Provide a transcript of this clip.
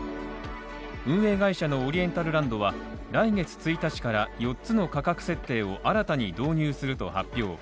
運営会社のオリエンタルランドは、来月１日から、四つの価格設定を新たに導入すると発表。